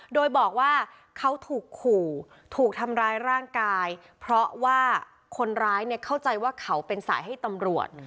โดยบอกว่าเขาถูกขู่ถูกทำร้ายร่างกายเพราะว่าคนร้ายเนี่ยเข้าใจว่าเขาเป็นสายให้ตำรวจ